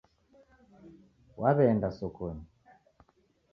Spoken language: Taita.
Waw'eenda sokonyi